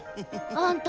あんた